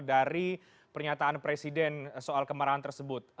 dari pernyataan presiden soal kemarahan tersebut